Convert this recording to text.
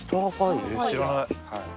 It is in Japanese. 知らない。